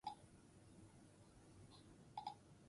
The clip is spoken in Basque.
Neskatoak duela ia hamar urtez geroztik bizi dira aitona-amonekin.